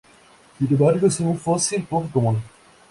Sin embargo, es un fósil poco común.